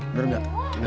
udah liat gak